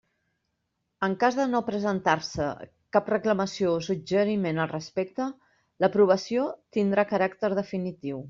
En cas de no presentar-se cap reclamació o suggeriment al respecte, l'aprovació tindrà caràcter definitiu.